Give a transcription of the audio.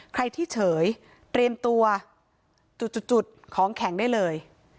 ใครที่เฉยเตรียมตัวจุดของแข็งได้เลย